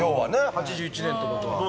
８１年ってことは。